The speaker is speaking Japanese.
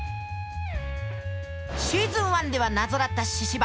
シーズン１では謎だった神々。